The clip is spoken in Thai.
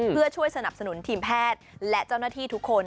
เพื่อช่วยสนับสนุนทีมแพทย์และเจ้าหน้าที่ทุกคน